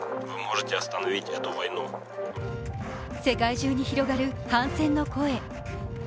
世界中に広がる反戦の声。